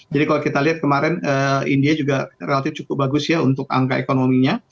jadi kalau kita lihat kemarin india juga relatif cukup bagus ya untuk angka ekonominya